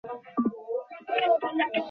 Mac মারাত্মকভাবে আহত হয়ে হাসপাতালে ভর্তি হন।